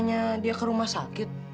tanya dia ke rumah sakit